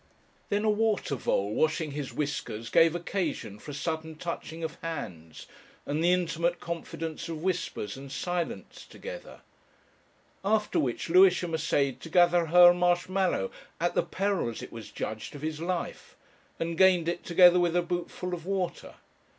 Then a water vole washing his whiskers gave occasion for a sudden touching of hands and the intimate confidence of whispers and silence together. After which Lewisham essayed to gather her a marsh mallow at the peril, as it was judged, of his life, and gained it together with a bootful of water.